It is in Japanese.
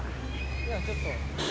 いやちょっと。